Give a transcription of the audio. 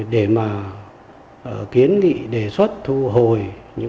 để kiến nghị đề xuất thu hồi